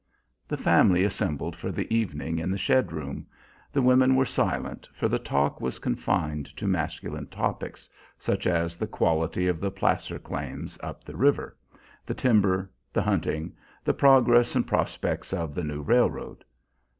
The family assembled for the evening in the shed room. The women were silent, for the talk was confined to masculine topics, such as the quality of the placer claims up the river, the timber, the hunting, the progress and prospects of the new railroad.